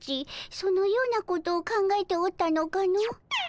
そのようなことを考えておったのかの？